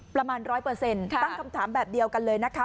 ประมาณร้อยเปอร์เซ็นต์ค่ะตั้งคำถามแบบเดียวกันเลยนะคะ